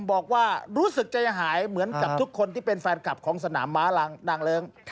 บอกว่ารู้สึกใจหายเหมือนกับทุกคนที่เป็นแฟนคลับของสนามม้านางเลิ้ง